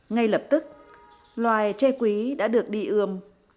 ngay lập tức loài tre quý đã được đi ươm